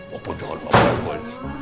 bapak jangan bapak egois